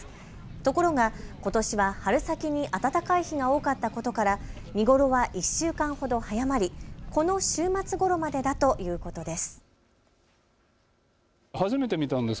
ところがことしは春先に暖かい日が多かったことから見頃は１週間ほど早まりこの週末ごろまでだということです。